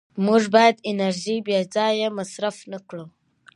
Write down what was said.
موږ باید انرژي بېځایه مصرف نه کړو